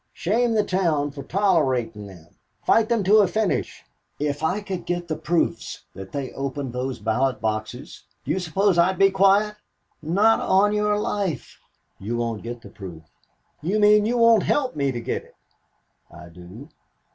Shame the town for tolerating them, fight them to a finish. If I could get the proofs that they opened those ballot boxes, do you suppose I'd be quiet? Not on your life." "You won't get the proof." "You mean you won't help me to get it?" "I do."